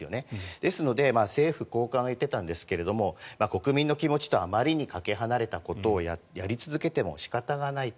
ですので政府高官が言ってたんですけど国民の気持ちとあまりにかけ離れたことをやり続けても仕方がないと。